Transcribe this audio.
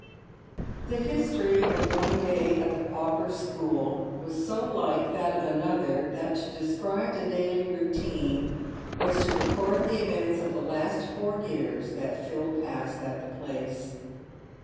The history of one day at the pauper school was so like that of another, that to describe the daily routine was to record the events of the last four years that Phil passed at the place.